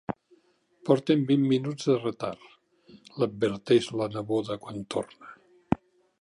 Porten vint minuts de retard, l'adverteix la neboda quan torna.